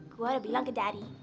gue bilang ke dari